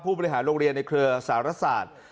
บริหารโรงเรียนในเครือสารศาสตร์